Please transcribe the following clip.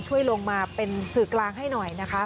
ช่วยลงมาเป็นสื่อกลางให้หน่อยนะคะ